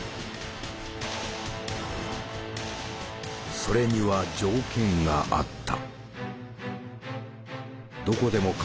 それには条件があった。